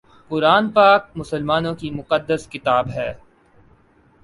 قرآن پاک مسلمانوں کی مقدس کتاب ہے